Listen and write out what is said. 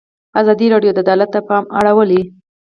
ازادي راډیو د عدالت ته پام اړولی.